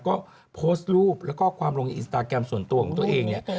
ก็โพสต์รูปแล้วก็ความลงในอินสตาแกรมส่วนตัวของตัวเองเนี่ย